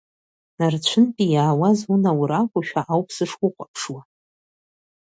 Нарцәынтәи иааз унаур акәушәа ауп сышухәаԥшуа.